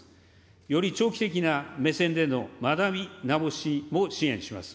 より長期的な目線での学び直しも支援します。